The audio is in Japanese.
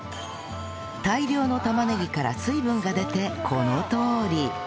大量の玉ねぎから水分が出てこのとおり